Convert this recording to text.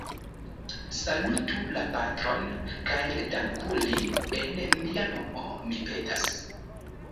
Salutu la patron kaj danku lin en mia nomo, mi petas.